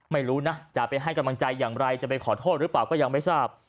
ไม่รู้นะจะไปให้กำลังใจอย่างไรจะไปขอโทษหรือเปล่าก็ยังไม่ทราบ